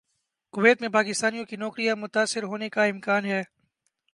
Kuwait میں پاکستانیوں کی نوکریاں متاثر ہونے کا امکان ہے